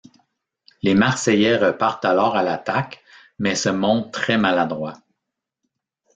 Les Marseillais repartent alors à l'attaque mais se montrent très maladroits.